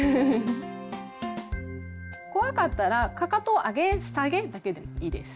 怖かったらかかとを上げ下げだけでもいいです。